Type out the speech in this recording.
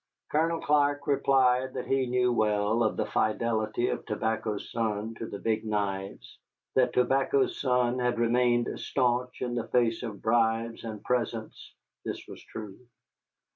Colonel Clark replied that he knew well of the fidelity of Tobacco's Son to the Big Knives, that Tobacco's Son had remained stanch in the face of bribes and presents (this was true).